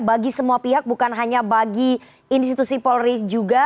bagi semua pihak bukan hanya bagi institusi polri juga